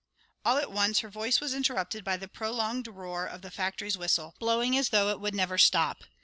All at once her voice was interrupted by the prolonged roar of the factory's whistle, blowing as though it would never stop.